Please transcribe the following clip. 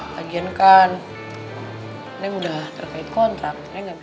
bagian kan neng sudah terkait kontrak